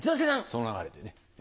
その流れでね。